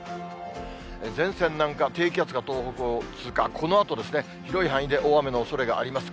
前線南下、低気圧が東北を通過、このあと、広い範囲で大雨のおそれがあります。